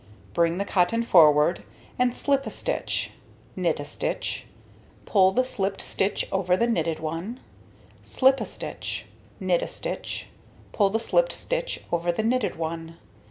Bring the cotton forward and slip a stitch, knit a stitch, pull the slipped stitch over the knitted one, slip a stitch, knit a stitch, pull the slipped stitch over the knitted one.